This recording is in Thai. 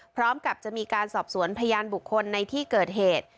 พร้อมกับจะมีการสอบสวนพยานบุคคลในที่เกิดเหตุ